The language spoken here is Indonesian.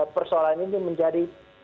persoalan ini menjadi